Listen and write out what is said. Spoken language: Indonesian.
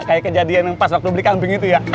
kayak kejadian yang pas waktu beli kambing itu ya